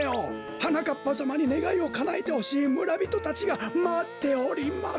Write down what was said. はなかっぱさまにねがいをかなえてほしいむらびとたちがまっております。